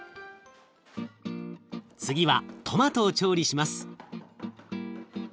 次はトマトを調理します。